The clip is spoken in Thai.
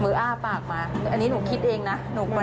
มืออ้าปากมาอันนี้หนูคิดเองนะหนูมาจินตนาการเองอ๋อแต่ลืมตา